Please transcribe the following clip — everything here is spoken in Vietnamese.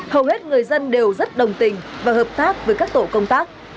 hầu hết người dân đều rất đồng tình và hợp tác với các tổ công tác